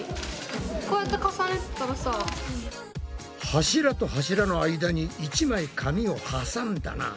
柱と柱の間に１枚紙を挟んだな。